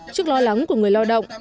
trước lo lắng của người lao động